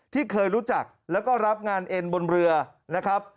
ที่เคยรู้จักแล้วก็รับงานเอ็นบนเรือนะครับ